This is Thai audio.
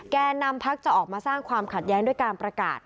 แก่นำพักจะออกมาสร้างความขัดแย้งด้วยการประกาศ